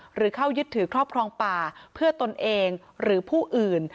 หรือเข้ายึดถือครอบครองป่าเพื่อตนเองหรือผู้อื่น